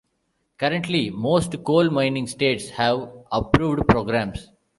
Currently, most coal-mining states have approved programs.